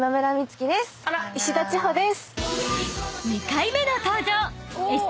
［２回目の登場